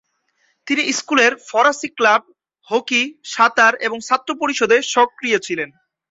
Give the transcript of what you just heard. তিনি স্কুলের ফরাসি ক্লাব, হকি, সাঁতার এবং ছাত্র পরিষদে সক্রিয় ছিলেন।